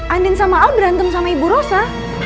andin sama al berantem sama ibu rosa